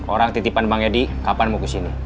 orang titipan bang edi kapan mau ke sini